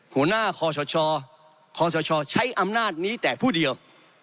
หัวหน้าคอสชคสชใช้อำนาจนี้แต่ผู้เดียว